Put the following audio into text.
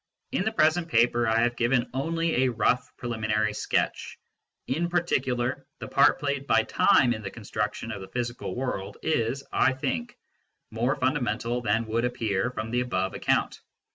In the present paper, I have given only a rough preliminary sketch. In par ticular, the part played by time in the construction of the physical world is, I think, more fundamental than would appear from the above account.